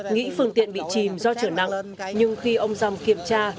nghĩ phương tiện bị chìm do trở nắng nhưng khi ông dòng kiểm tra